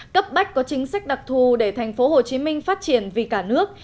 cấp bách có chính sách đặc thù để tp hcm phát triển vì cả nước